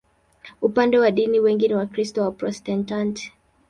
Upande wa dini, wengi ni Wakristo Waprotestanti.